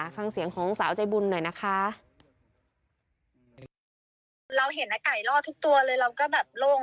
ฟังเสียงของสาวใจบุญหน่อยนะคะ